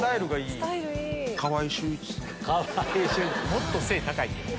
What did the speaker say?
もっと背高いって。